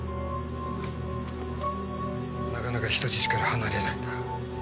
なかなか人質から離れないな。